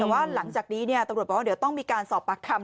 แต่ว่าหลังจากนี้ตำรวจบอกว่าเดี๋ยวต้องมีการสอบปากคำ